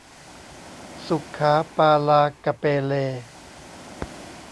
ศุขาปาลากะเปเล